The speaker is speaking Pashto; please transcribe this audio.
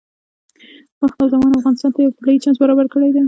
وخت او زمان افغانستان ته یو طلایي چانس برابر کړی دی.